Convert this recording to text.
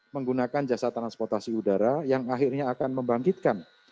menggunakan jasa transportasi udara yang akhirnya akan membangkitkan